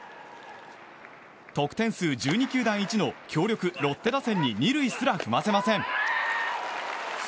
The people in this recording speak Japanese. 得点数１２球団一の強力ロッテ打線に２塁すら踏ませません。